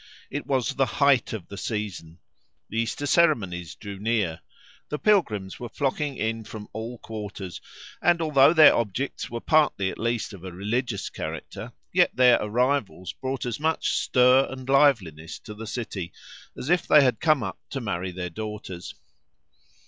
It was the "height of the season." The Easter ceremonies drew near. The pilgrims were flocking in from all quarters; and although their objects were partly at least of a religious character, yet their "arrivals" brought as much stir and liveliness to the city as if they had come up to marry their daughters.